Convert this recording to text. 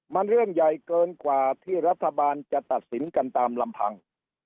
มันเรื่องใหญ่เกินกว่าที่รัฐบาลจะตัดสินกันตามลำพัง